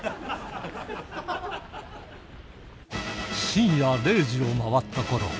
深夜０時を回ったころ